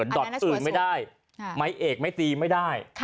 ด็อตอื่นไม่ได้ไม้เอกไม่ตีไม่ได้